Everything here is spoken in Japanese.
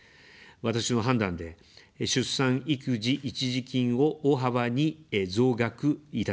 私の判断で、出産育児一時金を大幅に増額いたします。